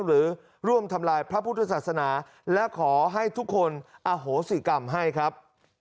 หรือร่วมทำลายพระพุทธศาสนาและขอให้ทุกคนอโหสิกรรมให้ครับ